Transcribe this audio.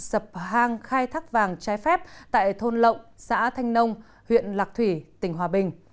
sập hang khai thác vàng trái phép tại thôn lộng xã thanh nông huyện lạc thủy tỉnh hòa bình